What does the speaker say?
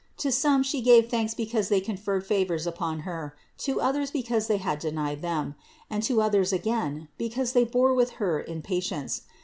To som* She gave thanks because they conferred favors upon Her, to others because they had denied them; and to others again because they bore with Her in patience.